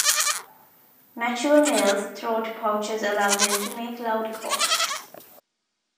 Mature males' throat pouches allow them to make loud calls.